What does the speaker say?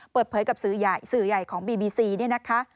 เปิดเผยกับสื่อใหญ่ของบีบีซี